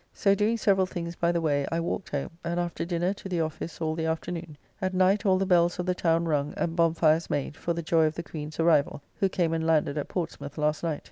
So doing several things by the way, I walked home, and after dinner to the office all the afternoon. At night, all the bells of the town rung, and bonfires made for the joy of the Queen's arrival, who came and landed at Portsmouth last night.